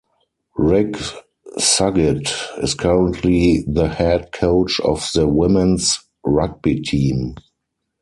Rick Suggitt is currently the head coach of the women's rugby team.